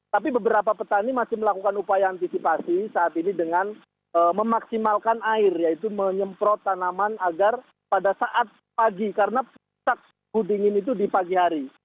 tapi beberapa petani masih melakukan upaya antisipasi saat ini dengan memaksimalkan air yaitu menyemprot tanaman agar pada saat pagi karena puncak hudingin itu di pagi hari